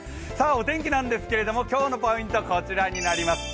お天気なんですけど、今日のポイントはこちらになります。